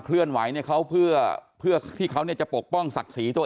เคลื่อนไหวเนี่ยเขาเพื่อเพื่อที่เขาเนี่ยจะปกป้องศักดิ์สีตัว